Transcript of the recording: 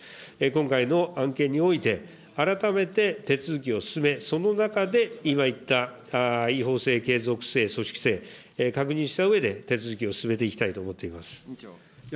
今回の案件において、改めて手続きを進め、その中で今言った違法性、継続性、組織性、確認したうえで、手続きを進めていきたいと思っています。